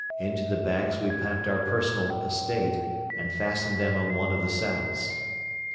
Into the bags we packed our personal estate and fastened them on one of the saddles.